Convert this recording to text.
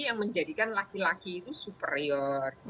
yang menjadikan laki laki itu superior